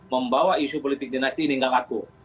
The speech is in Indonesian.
membawa isu politik dinasti ini tidak mengaku